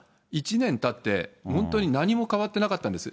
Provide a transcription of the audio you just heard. １年たって、本当に何も変わってなかったんです。